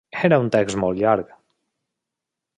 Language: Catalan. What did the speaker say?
Era un text molt llarg.